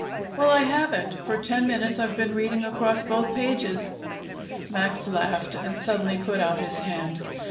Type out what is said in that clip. "Well, I haven't. For ten minutes I've been reading across both pages!" Max laughed, and suddenly put out his hand.